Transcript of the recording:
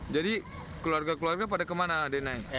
jadi keluarga keluarga pada kemana ada naik